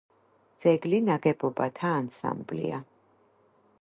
ძეგლი ნაგებობათა ანსამბლია.